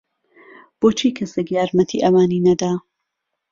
بۆچی کەسێک یارمەتیی ئەوانی نەدا؟